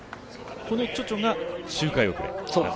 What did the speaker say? このチョチョが、周回後れ。